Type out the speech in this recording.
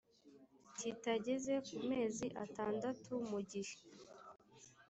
kitageze ku mezi atandatu mu gihe